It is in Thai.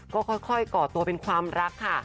ก็ค่อยก่อตัวเป็นความรักค่ะ